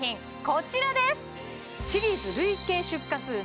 こちらです！